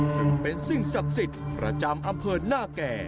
ซึ่งเป็นสิ่งสักสิตประจำอำเภอหน้าแก่